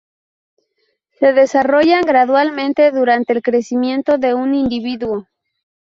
Se desarrollan gradualmente durante el crecimiento de un individuo.